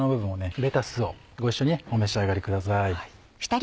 レタスをご一緒にお召し上がりください。